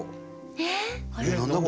えっ？